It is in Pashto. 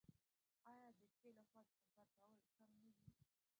آیا د شپې لخوا د سفر کول کم نه وي؟